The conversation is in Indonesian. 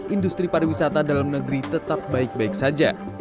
industri pariwisata dalam negeri tetap baik baik saja